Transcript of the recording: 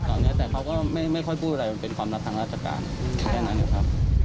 ตอนนี้แต่เขาก็ไม่ค่อยพูดอะไรมันเป็นความลับทางราชการแค่นั้นอยู่ครับ